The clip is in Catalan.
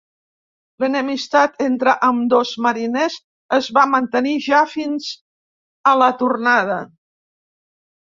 L'enemistat entre ambdós mariners es va mantenir ja fins a la tornada.